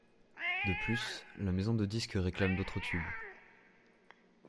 De plus la maison de disques réclame d'autres tubes.